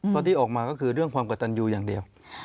เพราะที่ออกมาก็คือเรื่องความกระตันยูอย่างเดียว